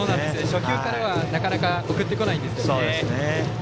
初球からはなかなか送ってこないですね。